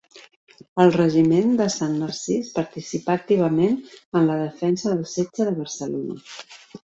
El regiment de Sant Narcís participà activament en la defensa del setge de Barcelona.